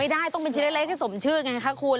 ไม่ได้ว่าต้องเป็นชิ้นใหญ่ก็สมชื่อไงคะคุณ